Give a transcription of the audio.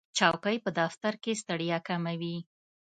چوکۍ په دفتر کې ستړیا کموي.